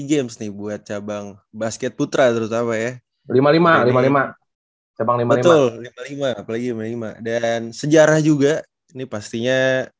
sims nih buat cabang basket putra terus apa ya lima ribu lima ratus lima puluh lima cabang lima ribu lima ratus lima puluh lima dan sejarah juga ini pastinya